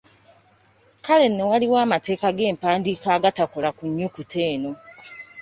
Kale nno waliwo amateeka g’empandiika agatakola ku nnyukuta eno.